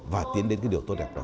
và tiến đến cái điều tốt đẹp đó